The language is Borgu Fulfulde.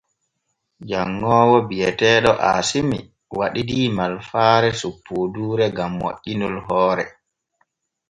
Janŋoowo bi’eteeɗo Aasimi waɗidii malfaare soppooduure gam moƴƴinol hoore.